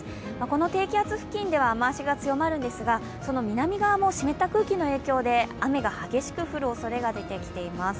この低気圧付近では雨足が強まるんですが、その南側も湿った空気の影響で雨が激しく降るおそれが出ています。